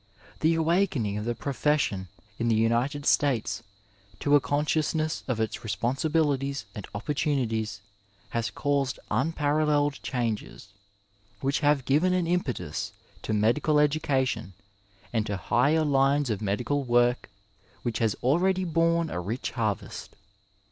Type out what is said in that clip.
The awakening of the pro fession in the United States to a consciousness of its respon sibilities and opportunities has caused unparalleled changes, which have given an impetus to medical education and to higher lines of medical work which has already borne a rich harvest.